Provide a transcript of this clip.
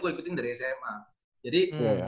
gue ikutin dari sma jadi